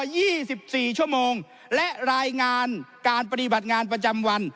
ยี่สิบสี่ชั่วโมงและรายงานการปฏิบัติงานประจำวัน